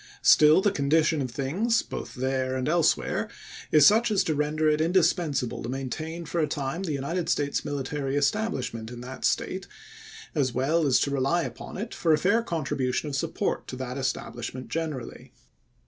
Still the condition of things, both there and elsewhere, is such as to render it indispensable to maintain for a time the United States military establishment in that State, as well as to rely upon it for a fair contribution of support to that estabhshment generally.